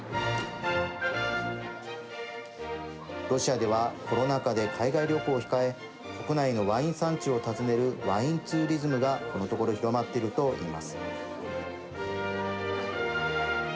ロシアではコロナ禍で海外旅行を控え国内のワイン産地を訪ねるワインツーリズムがこのところ広まっていると言います。